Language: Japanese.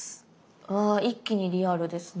わ一気にリアルですね。